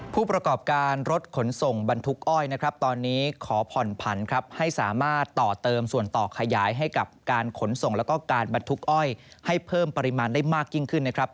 ผู้ประกอบการรถขนส่งบรรทุกอ้อยนะครับตอนนี้ขอผ่อนผันครับให้สามารถต่อเติมส่วนต่อขยายให้กับการขนส่งแล้วก็การบรรทุกอ้อยให้เพิ่มปริมาณได้มากยิ่งขึ้นนะครับ